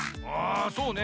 そうね。